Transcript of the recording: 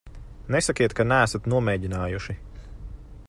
Nesakiet, ka neesat nomēģinājuši.